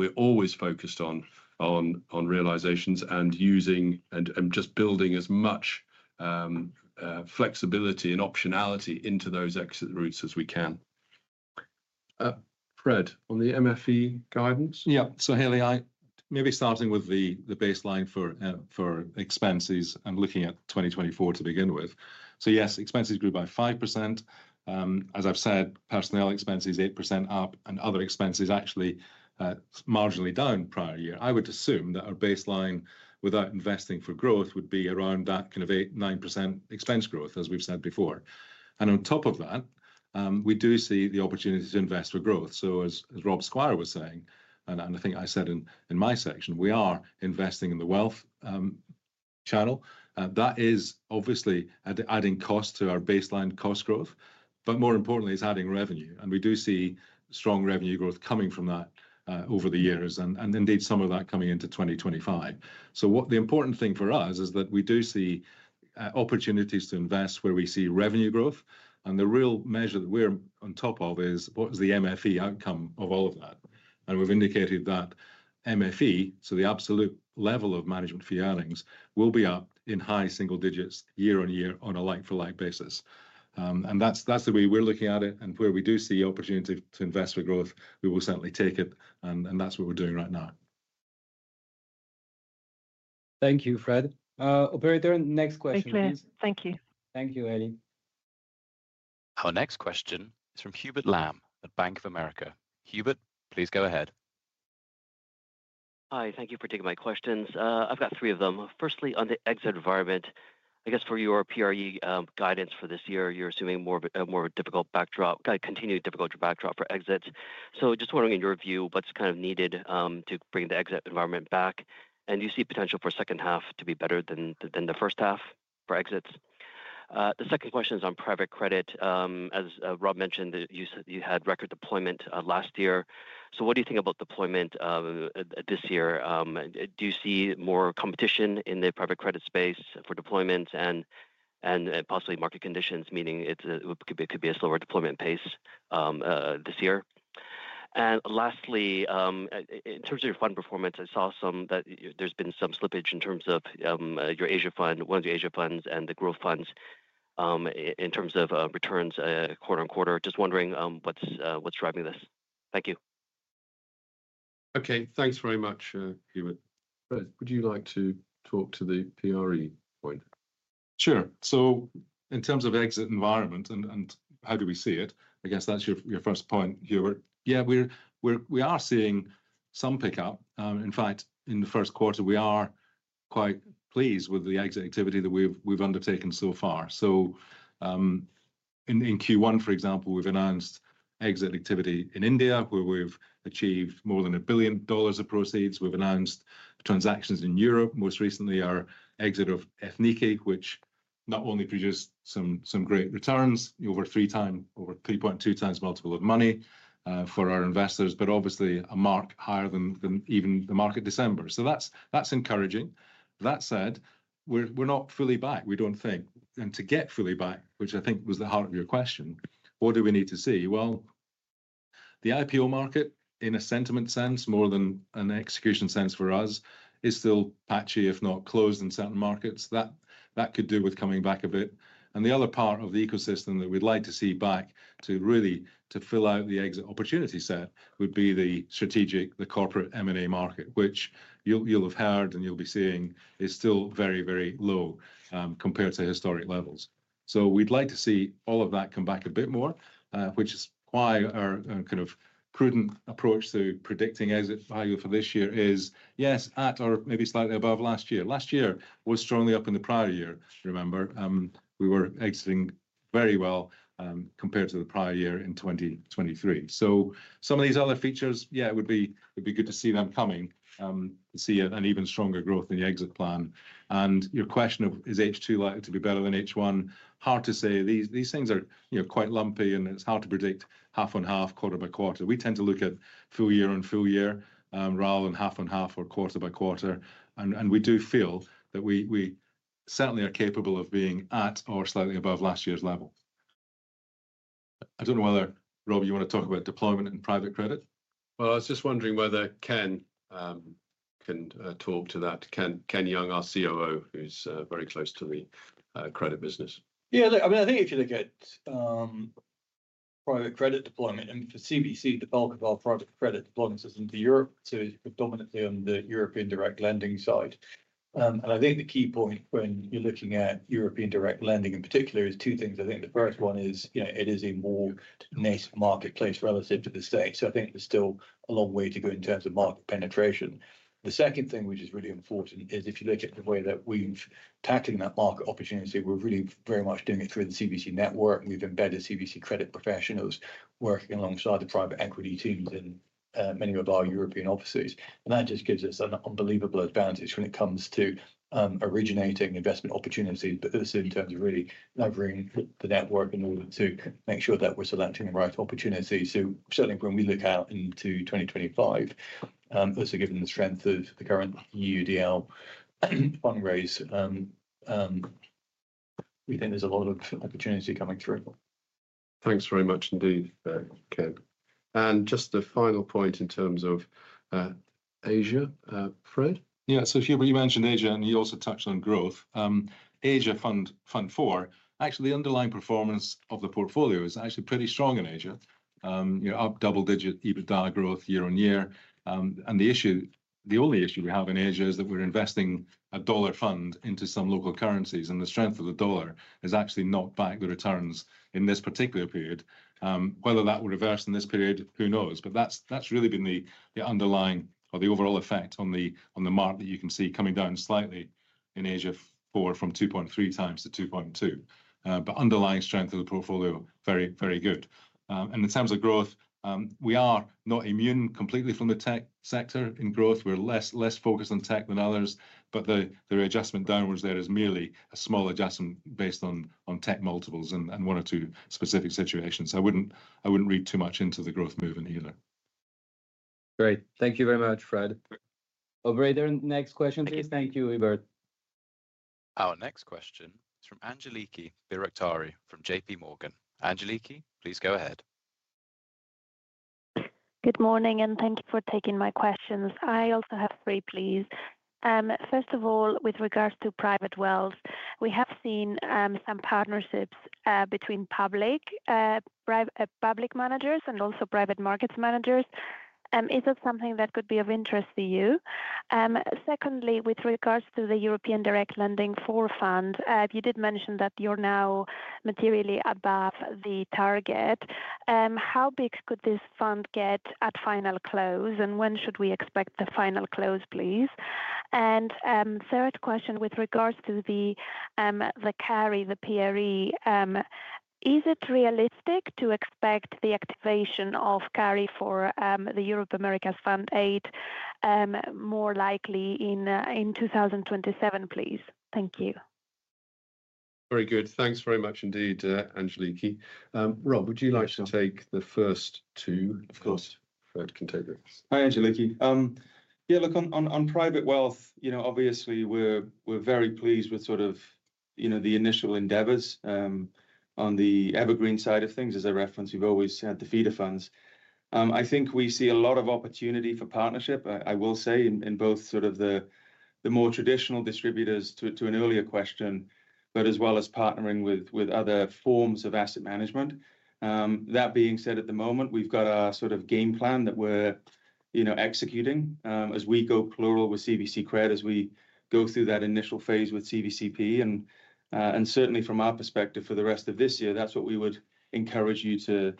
[SPEAKER 3] are always focused on realizations and just building as much flexibility and optionality into those exit routes as we can. Fred, on the MFE guidance?
[SPEAKER 5] Yeah. Hayley, maybe starting with the baseline for expenses, I am looking at 2024 to begin with. Yes, expenses grew by 5%. As I've said, personnel expenses 8% up and other expenses actually marginally down prior year. I would assume that our baseline without investing for growth would be around that kind of 8%-9% expense growth, as we've said before. We do see the opportunity to invest for growth. As Rob Squire was saying, and I think I said in my section, we are investing in the wealth channel. That is obviously adding cost to our baseline cost growth, but more importantly, it's adding revenue. We do see strong revenue growth coming from that over the years and indeed some of that coming into 2025. The important thing for us is that we do see opportunities to invest where we see revenue growth. The real measure that we're on top of is what is the MFE outcome of all of that. We have indicated that MFE, so the absolute level of management fee earnings, will be up in high single digits year on year on a like-for-like basis. That is the way we are looking at it. Where we do see opportunity to invest for growth, we will certainly take it. That is what we are doing right now.
[SPEAKER 4] Thank you, Fred. Operator, next question, please.
[SPEAKER 6] Thank you.
[SPEAKER 1] Thank you, Hayley. Our next question is from Hubert Lamb at Bank of America. Hubert, please go ahead.
[SPEAKER 7] Hi. Thank you for taking my questions. I've got three of them. Firstly, on the exit environment, I guess for your PRE guidance for this year, you're assuming more of a difficult backdrop, continued difficult backdrop for exits. Just wondering in your view, what's kind of needed to bring the exit environment back? Do you see potential for second half to be better than the first half for exits? The second question is on private credit. As Rob mentioned, you had record deployment last year. What do you think about deployment this year? Do you see more competition in the private credit space for deployments and possibly market conditions, meaning it could be a slower deployment pace this year? Lastly, in terms of your fund performance, I saw that there's been some slippage in terms of your Asia fund, one of the Asia funds and the growth funds in terms of returns quarter on quarter. Just wondering what's driving this. Thank you.
[SPEAKER 3] Okay. Thanks very much, Hubert. Fred, would you like to talk to the PRE point?
[SPEAKER 5] Sure. In terms of exit environment and how do we see it, I guess that's your first point, Hubert. Yeah, we are seeing some pickup. In fact, in the Q1, we are quite pleased with the exit activity that we've undertaken so far. In Q1, for example, we've announced exit activity in India, where we've achieved more than $1 billion of proceeds. We've announced transactions in Europe. Most recently, our exit of Ethniki, which not only produced some great returns over three times, over 3.2 times multiple of money for our investors, but obviously a mark higher than even the market December. That's encouraging. That said, we're not fully back, we don't think. To get fully back, which I think was the heart of your question, what do we need to see? The IPO market, in a sentiment sense, more than an execution sense for us, is still patchy, if not closed in certain markets. That could do with coming back a bit. The other part of the ecosystem that we'd like to see back to really fill out the exit opportunity set would be the strategic, the corporate M&A market, which you'll have heard and you'll be seeing is still very, very low compared to historic levels. We would like to see all of that come back a bit more, which is why our kind of prudent approach to predicting exit value for this year is, yes, at or maybe slightly above last year. Last year was strongly up in the prior year, remember? We were exiting very well compared to the prior year in 2023. Some of these other features, yeah, it would be good to see them coming to see an even stronger growth in the exit plan. Your question of is H2 likely to be better than H1? Hard to say. These things are quite lumpy, and it's hard to predict half on half, quarter by quarter. We tend to look at full year on full year rather than half on half or quarter by quarter. We do feel that we certainly are capable of being at or slightly above last year's level. I don't know whether, Rob, you want to talk about deployment and private credit?
[SPEAKER 3] I was just wondering whether Ken can talk to that. Ken Young, our COO, who's very close to the credit business.
[SPEAKER 8] Yeah. I mean, I think if you look at private credit deployment and for CVC, the bulk of our private credit deployment is into Europe. It is predominantly on the European direct lending side. I think the key point when you're looking at European direct lending in particular is two things. I think the first one is it is a more niche marketplace relative to the States. I think there's still a long way to go in terms of market penetration. The second thing, which is really important, is if you look at the way that we've tackled that market opportunity, we're really very much doing it through the CVC network. We've embedded CVC credit professionals working alongside the private equity teams in many of our European offices. That just gives us an unbelievable advantage when it comes to originating investment opportunities, but also in terms of really leveraging the network in order to make sure that we're selecting the right opportunities. Certainly, when we look out into 2025, also given the strength of the current EUDL fundraise, we think there's a lot of opportunity coming through.
[SPEAKER 3] Thanks very much indeed, Ken. Just the final point in terms of Asia, Fred?
[SPEAKER 5] Yeah. Hubert, you mentioned Asia, and you also touched on growth. Asia Fund 4, actually, the underlying performance of the portfolio is actually pretty strong in Asia. Up double-digit EBITDA growth year on year. The issue, the only issue we have in Asia is that we're investing a dollar fund into some local currencies, and the strength of the dollar has actually knocked back the returns in this particular period. Whether that will reverse in this period, who knows? That has really been the underlying or the overall effect on the mark that you can see coming down slightly in Asia 4 from 2.3 times to 2.2. Underlying strength of the portfolio, very, very good. In terms of growth, we are not immune completely from the tech sector in growth. We're less focused on tech than others, but the adjustment downwards there is merely a small adjustment based on tech multiples and one or two specific situations. I wouldn't read too much into the growth movement either.
[SPEAKER 1] Great. Thank you very much, Fred. Operator, next question, please. Thank you, Hubert. Our next question is from Angelike Biruktari from JP Morgan. Angelike, please go ahead.
[SPEAKER 9] Good morning, and thank you for taking my questions. I also have three, please. First of all, with regards to private wealth, we have seen some partnerships between public managers and also private markets managers. Is that something that could be of interest to you? Secondly, with regards to the European direct lending forefund, you did mention that you're now materially above the target. How big could this fund get at final close? When should we expect the final close, please? Third question, with regards to the carry, the PRE, is it realistic to expect the activation of carry for the Europe Americas Fund 8 more likely in 2027, please? Thank you.
[SPEAKER 2] Very good. Thanks very much indeed, Angelike. Rob, would you like to take the first two?
[SPEAKER 4] Of course. Fred can take them.
[SPEAKER 3] Hi, Angelike. Yeah, look, on private wealth, obviously, we're very pleased with sort of the initial endeavors on the evergreen side of things. As I referenced, we've always had the feeder funds. I think we see a lot of opportunity for partnership, I will say, in both sort of the more traditional distributors to an earlier question, but as well as partnering with other forms of asset management. That being said, at the moment, we've got our sort of game plan that we're executing as we go plural with CVC Cred, as we go through that initial phase with CVC PE. Certainly, from our perspective for the rest of this year, that's what we would encourage you to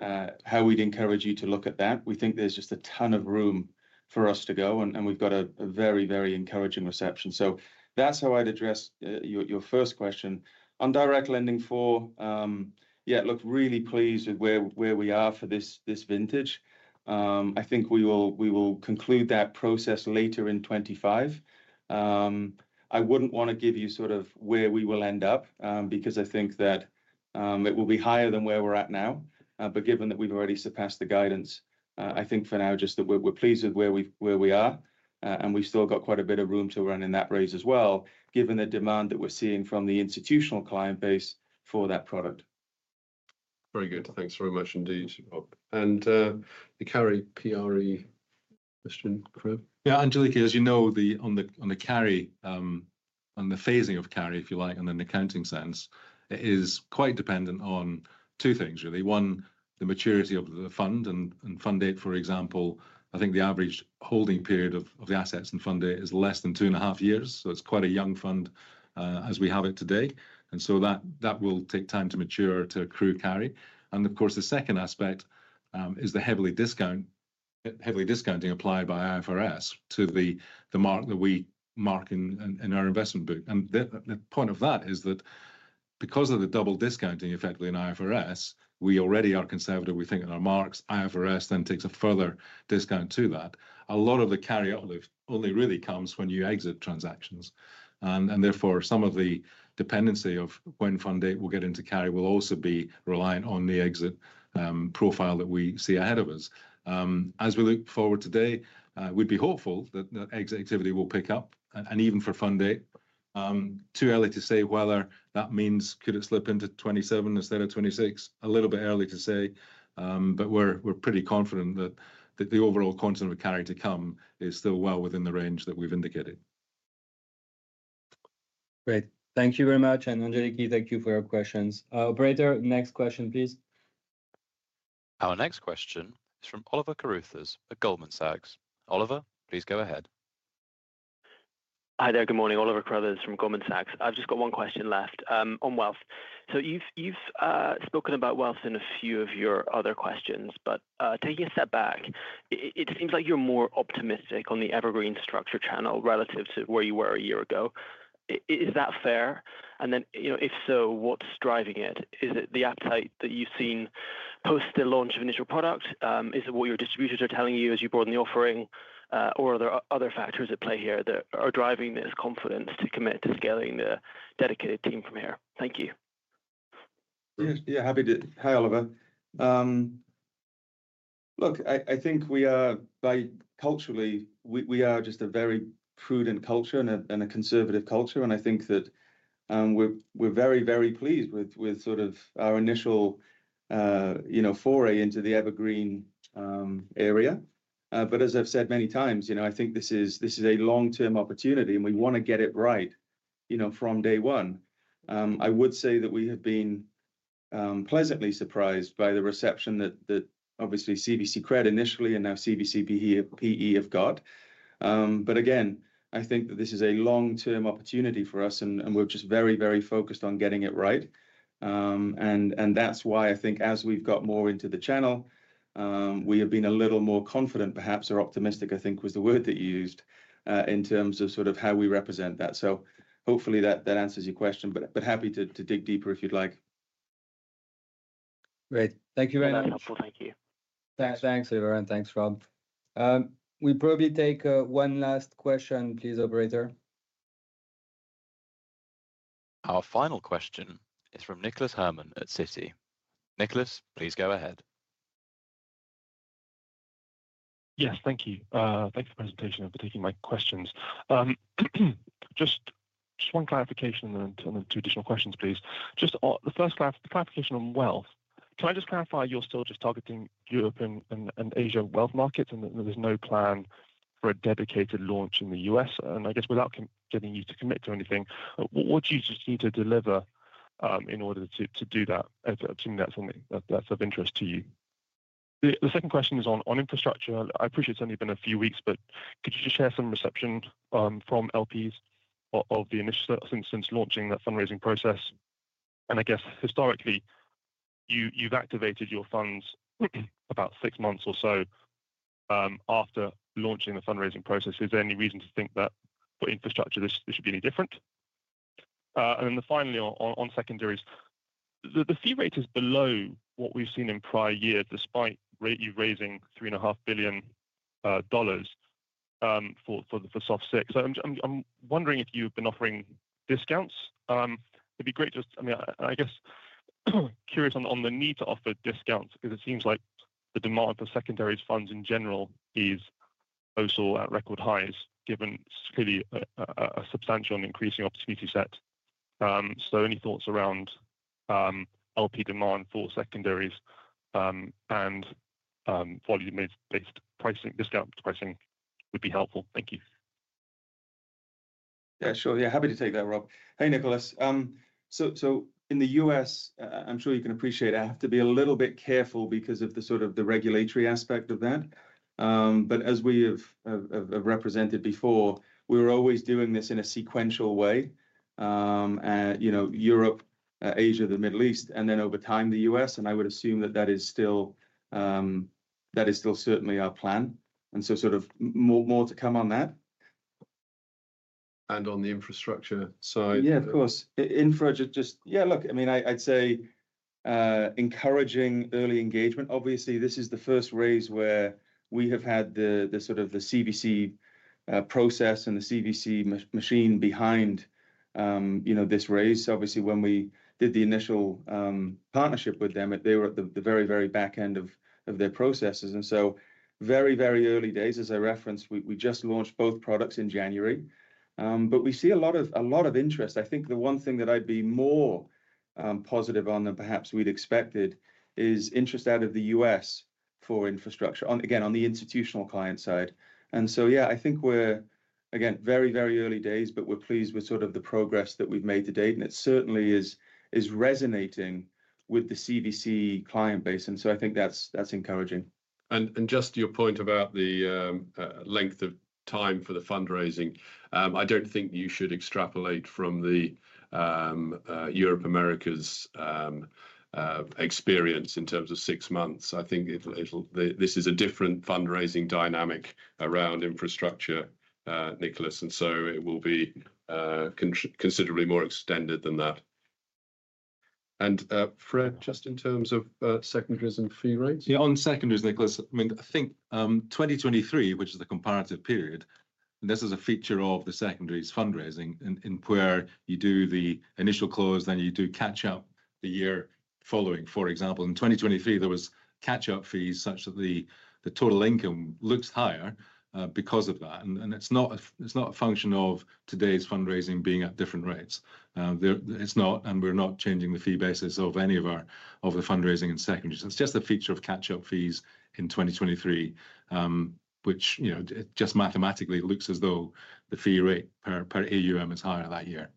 [SPEAKER 3] how we'd encourage you to look at that. We think there's just a ton of room for us to go, and we've got a very, very encouraging reception. That's how I'd address your first question. On direct lending for, yeah, look, really pleased with where we are for this vintage. I think we will conclude that process later in 2025. I wouldn't want to give you sort of where we will end up because I think that it will be higher than where we're at now. Given that we've already surpassed the guidance, I think for now, just that we're pleased with where we are. We've still got quite a bit of room to run in that race as well, given the demand that we're seeing from the institutional client base for that product. Very good. Thanks very much indeed, Rob. The carry PRE question, Fred?
[SPEAKER 5] Yeah. Angelike, as you know, on the carry, on the phasing of carry, if you like, and then accounting sense, it is quite dependent on two things, really. One, the maturity of the fund and fund date, for example. I think the average holding period of the assets and fund date is less than two and a half years. It is quite a young fund as we have it today. That will take time to mature to accrue carry. Of course, the second aspect is the heavily discounting applied by IFRS to the mark that we mark in our investment book. The point of that is that because of the double discounting, effectively, in IFRS, we already are conservative. We think in our marks, IFRS then takes a further discount to that. A lot of the carry-out only really comes when you exit transactions. Therefore, some of the dependency of when Fund 8 will get into carry will also be reliant on the exit profile that we see ahead of us. As we look forward today, we'd be hopeful that the exit activity will pick up. Even for Fund 8, too early to say whether that means could it slip into 2027 instead of 2026, a little bit early to say. We're pretty confident that the overall content of carry to come is still well within the range that we've indicated.
[SPEAKER 2] Great. Thank you very much. Angelike, thank you for your questions. Operator, next question, please.
[SPEAKER 1] Our next question is from Oliver Carruthers at Goldman Sachs. Oliver, please go ahead.
[SPEAKER 10] Hi there. Good morning. Oliver Carruthers from Goldman Sachs. I've just got one question left on wealth. You have spoken about wealth in a few of your other questions, but taking a step back, it seems like you're more optimistic on the evergreen structure channel relative to where you were a year ago. Is that fair? If so, what's driving it? Is it the appetite that you've seen post the launch of initial product? Is it what your distributors are telling you as you broaden the offering? Are there other factors at play here that are driving this confidence to commit to scaling the dedicated team from here? Thank you.
[SPEAKER 3] Yeah, happy to. Hi, Oliver. Look, I think we are, by culturally, we are just a very prudent culture and a conservative culture. I think that we're very, very pleased with sort of our initial foray into the evergreen area. As I've said many times, I think this is a long-term opportunity, and we want to get it right from day one. I would say that we have been pleasantly surprised by the reception that obviously CVC Cred initially and now CVC PE have got. Again, I think that this is a long-term opportunity for us, and we're just very, very focused on getting it right. That's why I think as we've got more into the channel, we have been a little more confident, perhaps, or optimistic, I think was the word that you used, in terms of sort of how we represent that.
[SPEAKER 6] Hopefully that answers your question, but happy to dig deeper if you'd like.
[SPEAKER 1] Great. Thank you very much.
[SPEAKER 3] Thank you.
[SPEAKER 1] Thanks, Hubert, and thanks, Rob. We probably take one last question, please, Operator. Our final question is from Nicholas Herman at Citi. Nicholas, please go ahead.
[SPEAKER 11] Yes, thank you. Thanks for the presentation and for taking my questions. Just one clarification on the two additional questions, please. Just the first clarification on wealth. Can I just clarify you're still just targeting European and Asia wealth markets, and there's no plan for a dedicated launch in the U.S.? I guess without getting you to commit to anything, what do you just need to deliver in order to do that? Assuming that's of interest to you. The second question is on infrastructure. I appreciate it's only been a few weeks, but could you just share some reception from LPs of the initial since launching that fundraising process? I guess historically, you've activated your funds about six months or so after launching the fundraising process. Is there any reason to think that for infrastructure, this should be any different? Finally, on secondaries, the fee rate is below what we've seen in prior years, despite you raising $3.5 billion for Secondary Fund 6. I'm wondering if you've been offering discounts. It'd be great just, I mean, I guess curious on the need to offer discounts because it seems like the demand for secondaries funds in general is also at record highs, given clearly a substantial and increasing opportunity set. Any thoughts around LP demand for secondaries and volume-based discount pricing would be helpful. Thank you.
[SPEAKER 3] Yeah, sure. Happy to take that, Rob. Hey, Nicholas. In the U.S., I'm sure you can appreciate I have to be a little bit careful because of the sort of regulatory aspect of that. As we have represented before, we were always doing this in a sequential way: Europe, Asia, the Middle East, and then over time, the U.S. I would assume that that is still certainly our plan. More to come on that.
[SPEAKER 11] On the infrastructure side?
[SPEAKER 5] Yeah, of course. Infrastructure just, yeah, look, I mean, I'd say encouraging early engagement. Obviously, this is the first raise where we have had the sort of the CVC process and the CVC machine behind this raise. Obviously, when we did the initial partnership with them, they were at the very, very back end of their processes. Very, very early days, as I referenced, we just launched both products in January. We see a lot of interest. I think the one thing that I'd be more positive on than perhaps we'd expected is interest out of the U.S. for infrastructure, again, on the institutional client side. I think we're, again, very, very early days, but we're pleased with sort of the progress that we've made to date. It certainly is resonating with the CVC client base. I think that's encouraging.
[SPEAKER 4] Just to your point about the length of time for the fundraising, I do not think you should extrapolate from the Europe Americas experience in terms of six months. I think this is a different fundraising dynamic around infrastructure, Nicholas. It will be considerably more extended than that. Fred, just in terms of secondaries and fee rates?
[SPEAKER 5] Yeah, on secondaries, Nicholas, I mean, I think 2023, which is the comparative period, and this is a feature of the secondaries fundraising in where you do the initial close, then you do catch-up the year following. For example, in 2023, there was catch-up fees such that the total income looks higher because of that. It is not a function of today's fundraising being at different rates. It is not, and we are not changing the fee basis of any of the fundraising in secondaries. It is just a feature of catch-up fees in 2023, which just mathematically looks as though the fee rate per AUM is higher that year.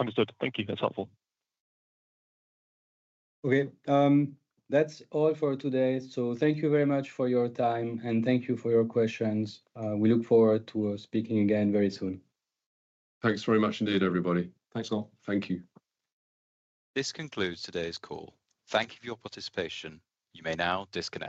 [SPEAKER 11] Understood. Thank you. That's helpful.
[SPEAKER 1] Okay. That is all for today. Thank you very much for your time, and thank you for your questions. We look forward to speaking again very soon.
[SPEAKER 3] Thanks very much indeed, everybody.
[SPEAKER 6] Thanks, all.
[SPEAKER 3] Thank you.
[SPEAKER 1] This concludes today's call. Thank you for your participation. You may now disconnect.